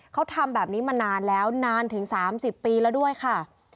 เขาทำแบบนี้มานานแล้วนานถึง๓๐ปีแล้วด้วยค่ะ